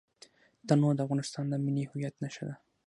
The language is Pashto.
تنوع د افغانستان د ملي هویت نښه ده.